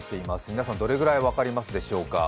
皆さんどれくらい分かりますでしょうか。